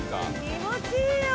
気持ちいいよ！